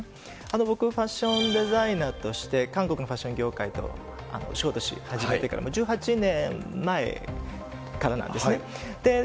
僕、ファッションデザイナーとして、韓国のファッション業界と仕事し始めてから、１８年前からなんですね。